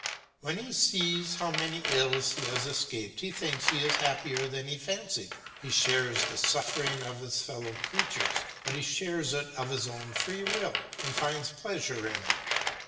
When he sees how many ills he has escaped he thinks he is happier than he fancied. He shares the suffering of his fellow creatures, but he shares it of his own free will and finds pleasure in it.